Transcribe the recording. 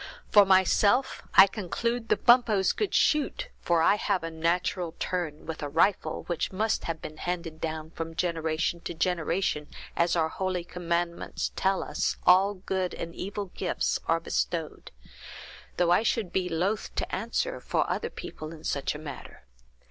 For myself, I conclude the Bumppos could shoot, for I have a natural turn with a rifle, which must have been handed down from generation to generation, as, our holy commandments tell us, all good and evil gifts are bestowed; though I should be loath to answer for other people in such a matter.